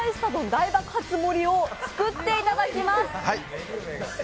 大爆発盛りを作っていただきます。